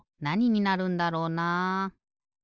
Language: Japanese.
なにになるんだろうな。